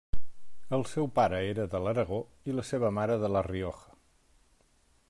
El seu pare era de l'Aragó i la seva mare de La Rioja.